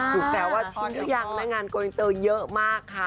อยู่แสว่ว่าชินหรือยังได้งานกวินเตอร์เยอะมากค่ะ